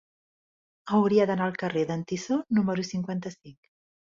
Hauria d'anar al carrer d'en Tissó número cinquanta-cinc.